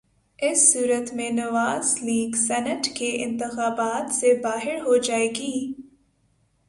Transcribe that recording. اس صورت میں Nawaz League Senate کے انتخابات سے باہر ہو جائے گی۔